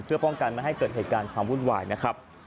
เพื่อป้องกันไม่ให้เกิดเหตุการณ์ความวุ่นวายนะครับ